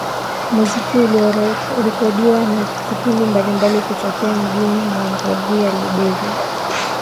muziki uliorekodiwa na vipindi mbalimbali kutokea mjini Monrovia Liberia